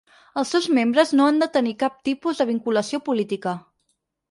Els seus membres no han de tenir cap tipus de vinculació política.